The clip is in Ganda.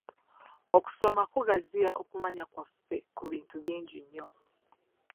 Okusoma kugaziya okumanya kwaffe ku bintu bingi nnyo.